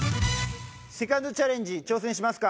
セカンドチャレンジ挑戦しますか？